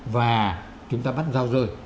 và chúng ta bắt giao rơi